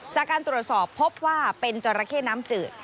จากการตรวจสอบพบว่าเป็นจราเข้น้ำจืด